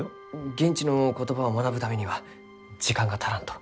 現地の言葉を学ぶためには時間が足らんと。